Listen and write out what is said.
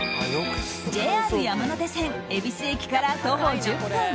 ＪＲ山手線恵比寿駅から徒歩１０分。